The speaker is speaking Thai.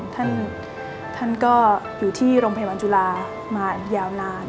ท่านก็อยู่ที่โรงพยาบาลจุฬามายาวนาน